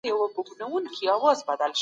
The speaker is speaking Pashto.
پر خپل حال باندي